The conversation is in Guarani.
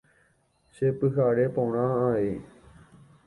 Chepyhare porã avei.